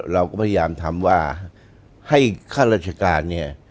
เราก็พยายามทำว่าให้ข้าราชการเนี่ย